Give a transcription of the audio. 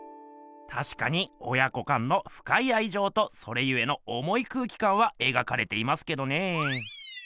たしかに親子間のふかいあいじょうとそれゆえのおもい空気かんは描かれていますけどね。